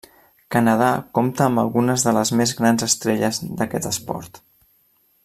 Canadà compta amb algunes de les més grans estrelles d'aquest esport.